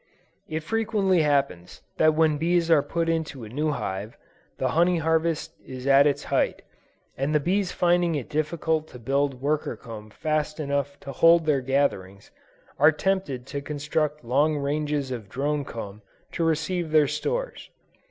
It frequently happens that when bees are put into a new hive, the honey harvest is at its height, and the bees finding it difficult to build worker comb fast enough to hold their gatherings, are tempted to construct long ranges of drone comb to receive their stores.